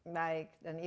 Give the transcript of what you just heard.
baik dan itu ya